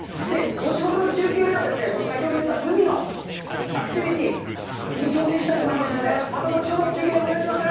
後ほどの中継では、先ほど言ってた海のアクティビティに挑戦したいと思いますんで、また後ほど中継お願いします！